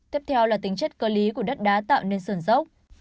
tiếp theo là tính chất cơ lý của đất đá tạo nên sườn dốc